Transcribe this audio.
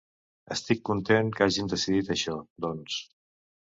Estic content que hàgim decidit això, doncs.